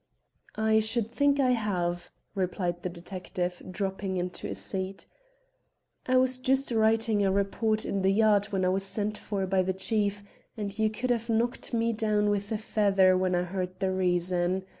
"I should think I have," replied the detective, dropping into a seat. "I was just writing a report in the Yard when I was sent for by the Chief, and you could have knocked me down with a feather when I heard the reason.